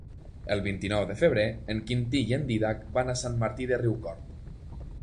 El vint-i-nou de febrer en Quintí i en Dídac van a Sant Martí de Riucorb.